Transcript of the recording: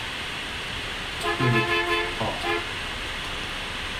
ซีลิค คอร์พ